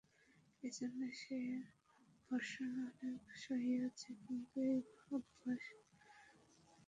এজন্য সে ভর্ৎসনা অনেক সহিয়াছে, কিন্তু এ অভ্যাস ছাড়িতে পারে নাই।